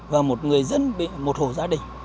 và một người dân một hộ gia đình